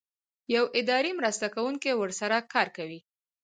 یو اداري مرسته کوونکی ورسره کار کوي.